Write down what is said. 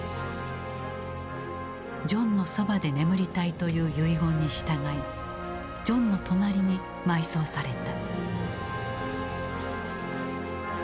ジョンのそばで眠りたいという遺言に従いジョンの隣に埋葬された。